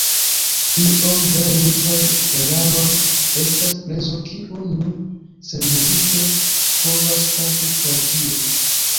Iom da lingvaj eraroj estas prezo, kiun ni senhezite povas pagi por tio.